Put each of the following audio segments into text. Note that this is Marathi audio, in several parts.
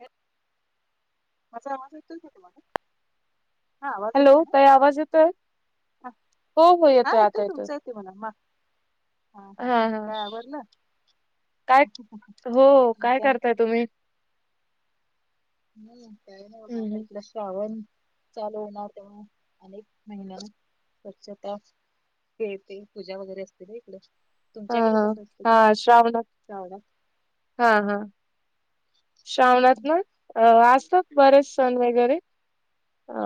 हे माझा माझा येत का तुम्हाला? हा आवाज येतोय हॅलो ना ताई आवाज येतोय? हा हो हो हा आता येतोय तुमचं येते म्हणा. हा हा काय आबडलं काय हो काय? करताय तुम्ही? हम् हो हम्म हम्म. आता श्रावण चालू होणार तेव्हा अनेक महिने स्वच्छता खेळ ते पूजा वगैरे असते ना इकडे हा तुमच्या इकडे कसं असत काय ते होय होय श्रावणात ना अ म्हणजे असतात बरेच सण वगैरे अ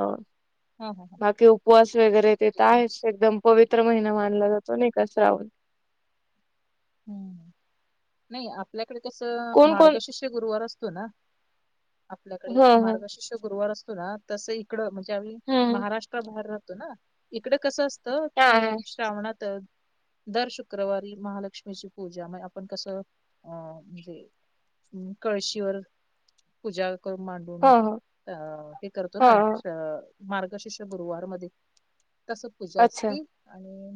हा हा हा. बाकी उपवास वगैरे ते तर जे आहेच आमच- एकदम पवित्र महिना मानला जातो न का सण ह् नाही आपल्याकडे कस कोण कोण मार्गशीर्ष तो गुरुवार असतो ना आपल्याकडे हा हा मार्गशीर्ष गुरुवार असतो ना तस इकड ज्यावेळी हम्म महाराष्ट्रा बाहेर राहतो ना इकडे कस असत हो हा कि हा श्रावणात आहे दर शुक्रवारी महालक्ष्मी अशी पूजा मग आपण कसं अ म्हणजे कळशीवर पूजा करून मांडून हा हा अ हे करतो ना हा हा स्व मार्गशीिर्ष गुरुवारमध्ये तशी पूजा अच्छा असते आणि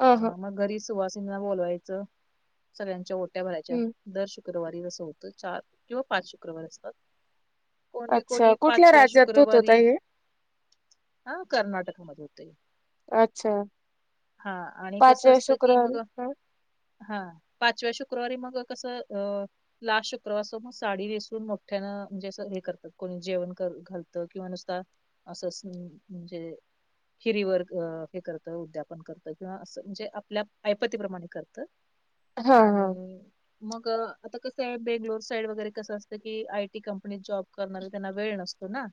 हा हा ह मग घरी सुहासिंनी बोलवायचं सगळ्यांच्या ओट्या भरायच्या हम्म दर शुक्रवारी अससं होतं चार किंवा पाच शुक्रवारी असतात कोणी अच्छा कोणी कुठल्या पाचव्या राज्यात होत शुक्रवारी ताई हे? हा कर्नाटकामध्ये होते अच्छा हा आणि कस पाचव्या असतं की शुक्रवारी मग हा हा पाचव्या शुक्रवारी मग कसं अ हया शुक्रवारी मग साडी नेसवून मोठ्यानं म्हणजे असं हे करतात कोणी जेवण घालतं किंवा नुसत असंच म्हणजे खिरी वर हे करतं उद्यापन करतं किंवा असं म्हणजे आपल्या ऐपतीप्रमाणे करतं हा आणि मग आता कसं आहे बेंगलोर साईड वगैरे कसं असतं की आयटी कंपनीत जॉब करणारे त्यांना वेळ नसतो ना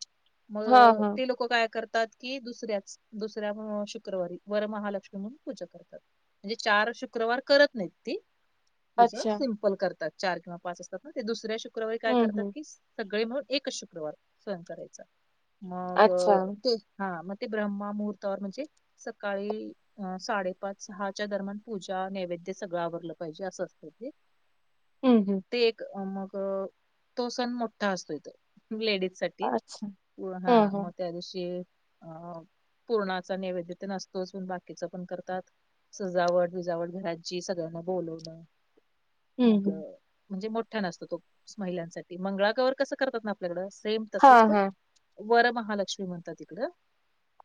मग हा हा. ते ना लोक काय करतात आज की दुसऱ्याच दुसऱ्या शुक्रवारी वर महालक्ष्मी म्हणून पूजा करतात म्हणजे चार शुक्रवार करत मुक्ती तुझच अच्छा. सिमपल करतात चार किंवा पाच असतात ते दुसऱ्या शुक्रवारी शुक्रवारी काय हं, करतात हं. की सगळे म्हणून एकच शुक्रवार स्वयन करायचा मग अच्छा. ते हा मग ते ब्रह्मा मुहर्त म्हणजे सकाळी अ साडेपाच सहाच्या दरम्यान पूजा नैवेद्य सगळं आवरलं पाहिजे असं असतं ते हम हम ते एक मग तो सण मोठा असतोय तो लेडीज साठी अच्छा. हा हं, मग हं. त्या दिवशी अ पूर्णाचा नैवेद्य नसतो पण बाकीचा पण करतात सजावट विजावट घरांची सगळ्यांना बोलवण हं, मग हं. ते म्हणजे मोठ्या नसतो तो महिलांसाठी मंगळागौवर कसं करतात ना आपल्याकडं सेम तसच हां, पण हां. वरमहालक्ष्मी म्हणतात तिकडं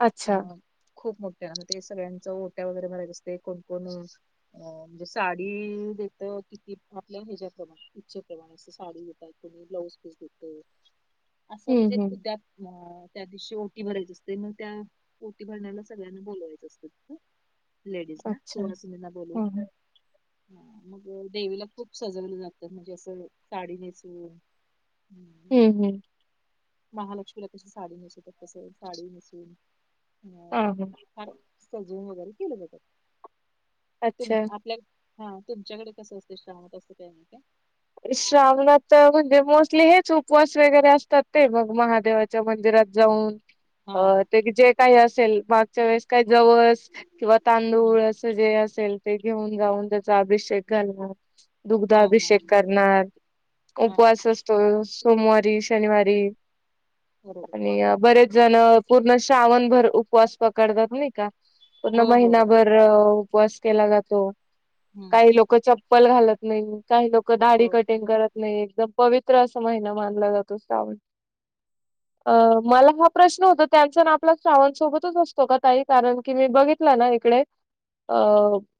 अच्छा. म खूप मोठ्या ना ते सगळ्यांच ओट्या वगैरे मला दिसत असते कोणकोण अ म्हणजे साडी देत किती आपल्या ह्याच्या प्रमाण इच्छेप्रमाणे साडी देतात कोणी ब्लाऊज पीस देत असं हं, म्हणजे हं. उद्या ह त्या दिवशी ओटी भरायची असते मग त्या ओटी भरण्याला सगळ्यांना बोलवायचं असत लेडीज ना अच्छा. सुवाासिनीना बोलवून हं, हं. हम्म [inaudible] मग देवीला खूप सजवलं जातात म्हणजे असं साडी नेसून ह हम हम महालक्ष्मीला कशी साडी नेसवतात कस साडी नेसून हां, हां. अ सजून वगैरे केलं जात अच्छा. आपल्याकडे हा तुमच्याकडे कसं असत श्रावणात असं का का श्रावणाच म्हणजे मोस्टली हेच उपवास वगैरे असतात ते मग महादेवाच्या मंदिरात जाऊन हा अ हा ते जे काही असेल मागच्या वेळेस काही जवळस किंवा हम्म तांदूळ जे असेल ते घेऊन गाऊन त्याचा अभिषेक घालणार दुग्ध हा हा अभिषेक करणार हा हा उपवास असतो सोमवारी शनिवारी बरोबर आणि बरेच जण पूर्ण श्रावण भर उपवास पकडतात नाही का पूर्ण हो हो हो महिनाभर उपवास केला जातो हम्म काही लोक चप्पल घालत नाही काही लोक हो दाडी कटिंग करत नाही एकदम पवित्र असा महिना मानला जातो श्रावण. ह अ मला हा प्रश्न होता त्यांच्या ना आपला श्रावांसोबतच असतो का तही [unintelligible] कारण की मी बघित नाही नाही इकडे अ